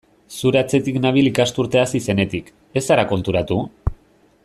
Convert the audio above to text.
Zure atzetik nabil ikasturtea hasi zenetik, ez zara konturatu?